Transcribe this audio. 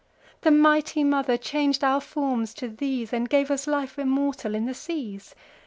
The mighty Mother chang'd our forms to these, And gave us life immortal in the seas.